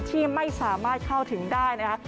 ที่ไม่สามารถเข้าถึงได้นะคะ